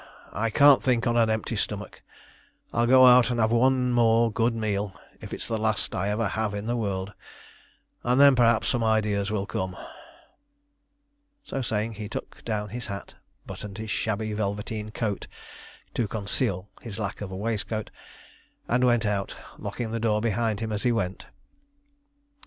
I can't think on an empty stomach. I'll go out and have one more good meal if it's the last I ever have in the world, and then perhaps some ideas will come." So saying, he took down his hat, buttoned his shabby velveteen coat to conceal his lack of a waistcoat, and went out, locking the door behind him as he went.